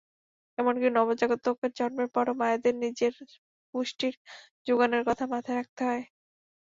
এমনকি নবজাতকের জন্মের পরও মায়েদের নিজের পুষ্টির জোগানের কথা মাথায় রাখতে হয়।